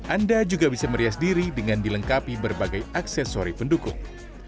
anda juga bisa merias diri dengan dilengkapi berbagai aksesori pendukung